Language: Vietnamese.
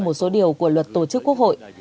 đây là một số điều của luật tổ chức quốc hội